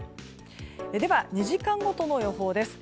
では、２時間ごとの予報です。